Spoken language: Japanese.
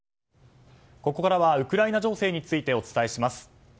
ここからはウクライナ情勢についてお伝えします。